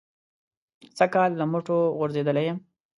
سږ کال له مټو غورځېدلی یم.